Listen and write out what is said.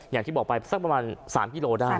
อย่างที่บอกไปสักประมาณ๓กิโลได้